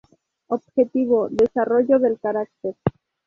Objetivo: desarrollo del carácter.